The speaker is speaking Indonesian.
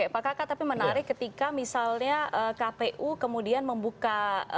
pak kakak tapi menarik ketika misalnya kpu kemudian membuka